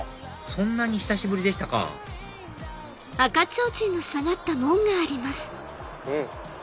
そんなに久しぶりでしたかうん！